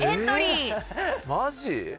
マジ？